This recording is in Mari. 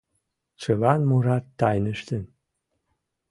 Чылан мурат тайныштын.